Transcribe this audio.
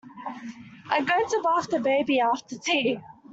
I'm going to bath the baby after tea